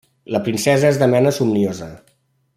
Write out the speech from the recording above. La princesa és de mena somniosa.